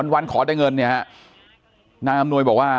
วันขอได้เงินเนี่ยฮะนางอำนวยบอกว่า